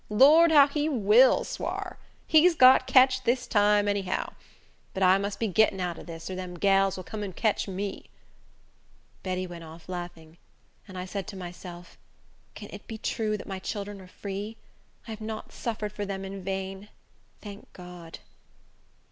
Lor, how he vill swar! He's got ketched dis time, any how; but I must be getting out o' dis, or dem gals vill come and ketch me." Betty went off laughing; and I said to myself, "Can it be true that my children are free? I have not suffered for them in vain. Thank God!"